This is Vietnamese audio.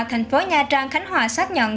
thành phố nha trang khánh hòa xác nhận